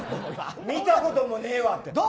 見たこともねえわって。